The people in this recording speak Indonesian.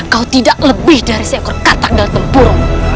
kau tidak lebih dari seekor katak dalam tempur